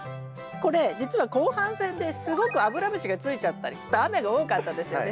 これじつは後半戦ですごくアブラムシがついちゃったり雨が多かったですよね。